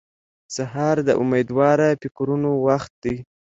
سهار د امېدوار فکرونو وخت دی.